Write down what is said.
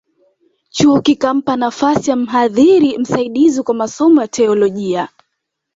Chuo kikampa nafasi ya mhadhiri msaidizi kwa masomo ya Teolojia